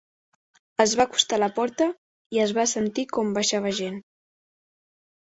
Es va acostar a la porta i es va sentir com baixava gent.